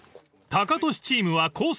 ［タカトシチームはコース